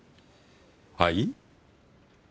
はい？